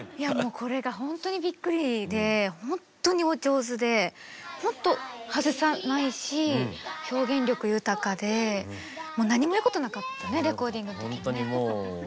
これがほんとにびっくりでほんとにお上手でほんと外さないし表現力豊かでもう何も言うことなかったねレコーディングの時もね。